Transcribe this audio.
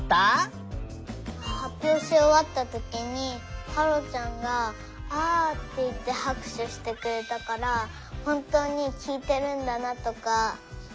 はっぴょうしおわったときにはろちゃんが「あ」っていってはくしゅしてくれたからほんとうにきいてるんだなとかおもいました。